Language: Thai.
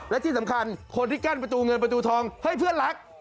และที่สำคัญคนที่กั้นประตูเงินประตูทองเฮ้ยเพื่อนรัก